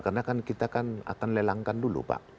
karena kan kita akan lelangkan dulu pak